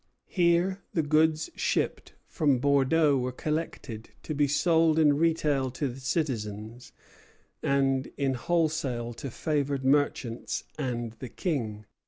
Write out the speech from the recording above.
Here the goods shipped from Bordeaux were collected, to be sold in retail to the citizens, and in wholesale to favored merchants and the King.